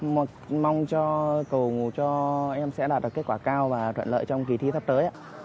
một mong cho cầu ngủ cho em sẽ đạt được kết quả cao và thuận lợi trong kỳ thi sắp tới